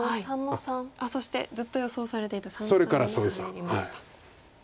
そしてずっと予想されていた三々に入りました。